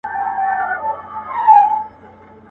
کال په کال یې زیاتېدل مځکي باغونه.